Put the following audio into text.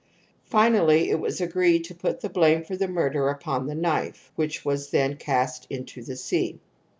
Fin ally it was agreed to put the blame for the murder upon the knife, which was then cast into the sea.